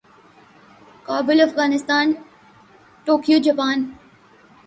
Kabul Afghanistan Tokyo Japan